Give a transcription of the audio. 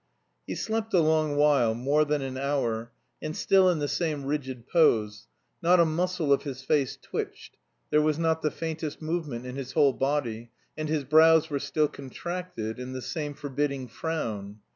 He slept a long while, more than an hour, and still in the same rigid pose: not a muscle of his face twitched, there was not the faintest movement in his whole body, and his brows were still contracted in the same forbidding frown.